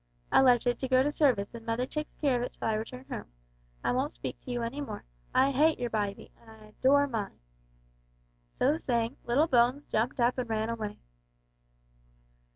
"I left it to go to service, and mother takes care of it till I return home. I won't speak to you any more. I hate your bybie, and I adore mine!" So saying, little Bones jumped up and ran away.